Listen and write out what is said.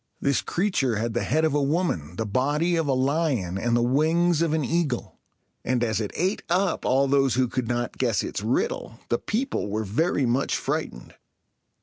This creature had the head of a woman, the body of a lion, and the wings of an eagle; and, as it ate up all those who could not guess its riddle, the people were very much frightened.